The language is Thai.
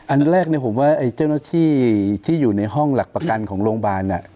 อันแรกผมว่าไอ้เจ้าหน้าที่ที่อยู่ในห้องหลักประกันของโรงพยาบาล